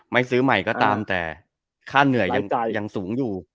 ซื้อใหม่ก็ตามแต่ค่าเหนื่อยยังสูงอยู่